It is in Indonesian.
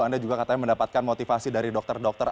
anda juga katanya mendapatkan motivasi dari dokter dokter